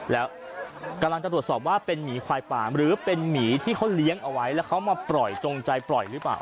แล้วกำลังจะตรวจสอบว่าเป็นหมีควายป่าหรือเป็นหมีที่เขาเลี้ยงเอาไว้แล้วเขามาปล่อยจงใจปล่อยหรือเปล่า